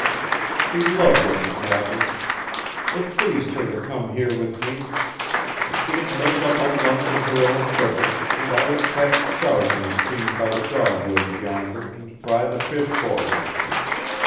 "She loved it, McTavish. It pleased her to come here with me; she'd make up a lunch of her own cooking and I would catch trout in the stream by the dogwoods yonder and fry the fish for her.